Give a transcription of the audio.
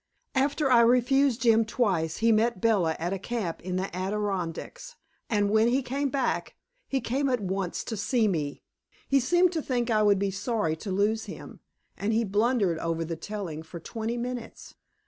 After I had refused Jim twice he met Bella at a camp in the Adirondacks and when he came back he came at once to see me. He seemed to think I would be sorry to lose him, and he blundered over the telling for twenty minutes.